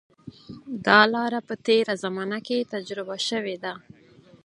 دا لاره په تېره زمانه کې تجربه شوې ده.